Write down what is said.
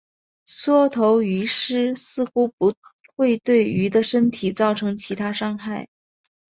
缩头鱼虱似乎不会对鱼的身体造成其他伤害。